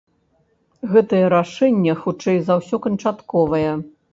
Гэтае рашэнне хутчэй за ўсё канчатковае.